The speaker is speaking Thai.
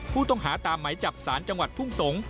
ผู้ต้องหาตามไหมจับสารจังหวัดทุ่งสงศ์